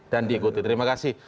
dan diikuti terima kasih